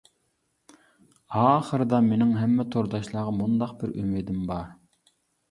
ئاخىرىدا مېنىڭ ھەممە تورداشلارغا مۇنداق بىر ئۈمىدىم بار.